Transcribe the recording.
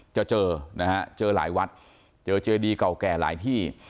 จะเจอนะฮะเจอหลายวัดเจอเจดีเก่าแก่หลายที่